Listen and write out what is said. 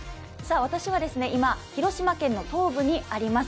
私は今、広島県の東部にあります